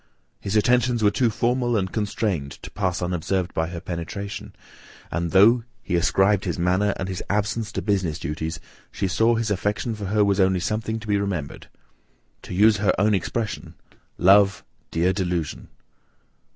His attentions were too formal and constrained to pass unobserved by her penetration, and though he ascribed his manner, and his absence, to business duties, she saw his affection for her was only something to be remembered. To use her own expression, "Love, dear delusion!